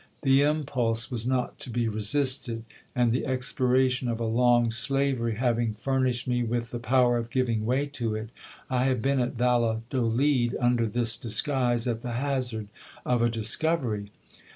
The impulse was not to be resisted ; and the expiration of a long slavery having furnished me with the power of giving way to it, I have been at Valladolid under this disguise at the hazard of a discovery.